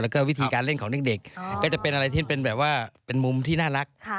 แล้วก็วิธีการเล่นของเด็กก็จะเป็นอะไรที่เป็นแบบว่าเป็นมุมที่น่ารัก